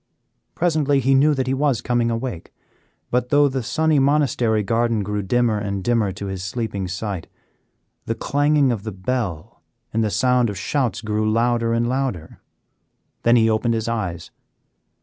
Presently he knew that he was coming awake, but though the sunny monastery garden grew dimmer and dimmer to his sleeping sight, the clanging of the bell and the sound of shouts grew louder and louder. Then he opened his eyes.